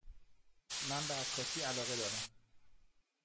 من به عکاسی علاقه دارم.